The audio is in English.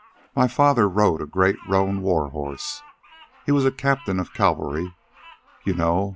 My father rode a great roan war horse. He was a captain of cavalry, you know.